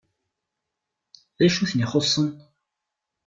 D acu i ten-ixuṣṣen?